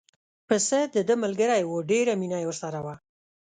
پسه دده ملګری و ډېره مینه یې ورسره وه.